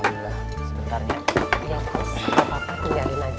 sebelum lebaran lo masalah mah